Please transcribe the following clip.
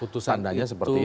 tandanya seperti itu kan